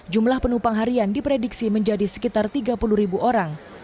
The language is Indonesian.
jumlah penumpang harian diprediksi menjadi sekitar tiga puluh ribu orang